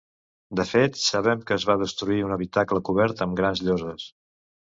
De fet, sabem que es va destruir un habitacle cobert amb grans lloses.